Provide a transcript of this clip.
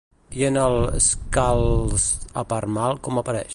I en el Skáldskaparmál com apareix?